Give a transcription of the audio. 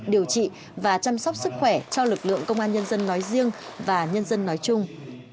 điều trị và chăm sóc sức khỏe cho lực lượng công an nhân dân nói riêng và nhân dân nói chung